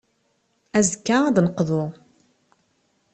Azekka, ad d-neqḍu.